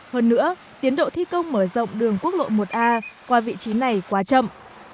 hơn nữa tiến độ thi công mở rộng đường quốc lộ một a qua vị trí này quá chậm